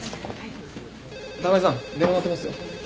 高木さん電話鳴ってますよ。